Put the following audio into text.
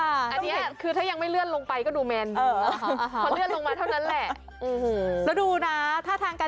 อันนี้คือถ้ายังไม่เลื่อนลงไปก็ดูแมนดูนะคะ